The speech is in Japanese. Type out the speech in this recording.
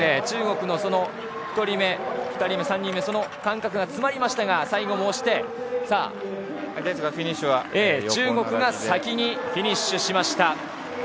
中国の１人目、２人目、３人目その間隔が詰まりましたが中国が先にフィニッシュしました。